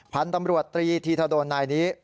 พันธุ์ตำรวจตรีธีทะโดนนายนี้